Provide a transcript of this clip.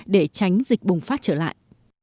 để tránh dịch bùng phát trở lại